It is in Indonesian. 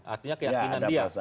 artinya keyakinan dia